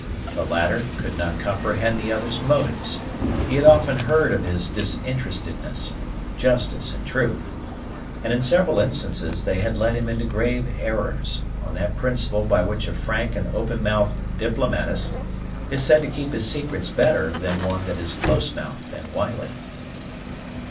The latter could not comprehend the other's motives; he had often heard of his disinterestedness, justice, and truth; and in several instances they had led him into grave errors, on that principle by which a frank and open mouthed diplomatist is said to keep his secrets better than one that is close mouthed and wily.